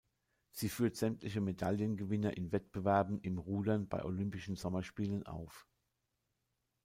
Sie führt sämtliche Medaillengewinner in Wettbewerben im Rudern bei Olympischen Sommerspielen auf.